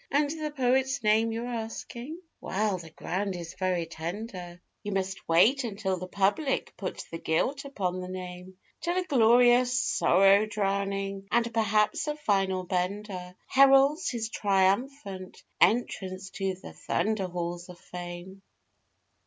And the poet's name you're asking? well, the ground is very tender, You must wait until the public put the gilt upon the name, Till a glorious, sorrow drowning, and, perhaps, a final 'bender,' Heralds his triumphant entrance to the thunder halls of Fame.